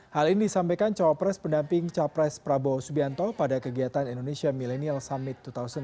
hal ini disampaikan cawapres pendamping capres prabowo subianto pada kegiatan indonesia millennial summit dua ribu delapan belas